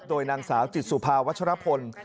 โดยนางสาวจิตสุภาวัชรพล